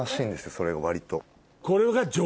それが割と。